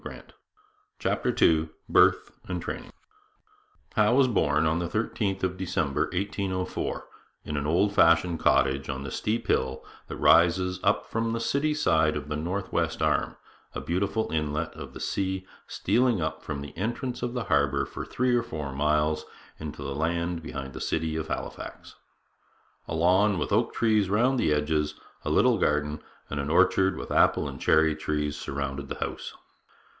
CHAPTER II BIRTH AND TRAINING Howe was born on the 13th of December 1804, in an old fashioned cottage on the steep hill that rises up from the city side of the Northwest Arm, a beautiful inlet of the sea stealing up from the entrance of the harbour for three or four miles into the land behind the city of Halifax. A 'lawn with oak trees round the edges,' a little garden and orchard with apple and cherry trees, surrounded the house.